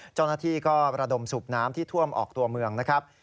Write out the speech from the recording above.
เจ้าหน้าที่ก็ระดมสูบน้ำที่ท่วมออกตัวเมืองนะครับ